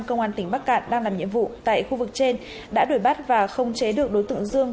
công an tỉnh bắc cạn đang làm nhiệm vụ tại khu vực trên đã đuổi bắt và không chế được đối tượng dương